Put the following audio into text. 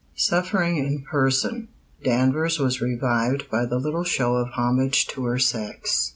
Suffering in person, Danvers was revived by the little show of homage to her sex.